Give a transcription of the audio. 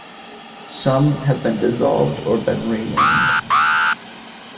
Some have been dissolved or been renamed.